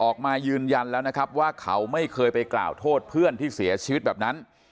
ออกมายืนยันแล้วนะครับว่าเขาไม่เคยไปกล่าวโทษเพื่อนที่เสียชีวิตแบบนั้น